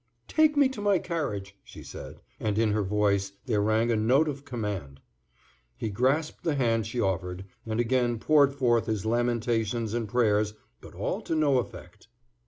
"Take me to my carriage," she said, and in her voice there rang a note of command. He grasped the hand she offered, and again poured forth his lamentations and prayers, but all to no effect.